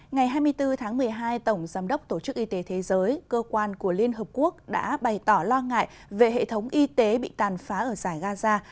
ngày hai mươi bốn tháng một mươi hai tổng giám đốc tổ chức y tế thế giới cơ quan của liên hợp quốc đã bày tỏ lo ngại về hệ thống y tế bị tàn phá ở giải gaza